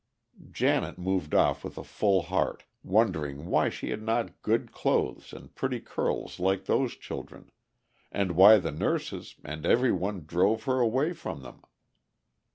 Janet moved off with a full heart, wondering why she had not good clothes and pretty curls like those children, and why the nurses and every one drove her away from them.